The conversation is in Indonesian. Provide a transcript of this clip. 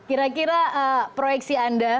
kira kira proyeksi anda